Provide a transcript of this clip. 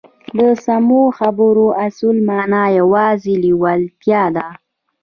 د سمو خبرو اصلي مانا یوازې لېوالتیا ده